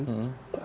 itu di bawah itu ya